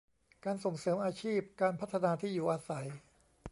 การส่งเสริมอาชีพ การพัฒนาที่อยู่อาศัย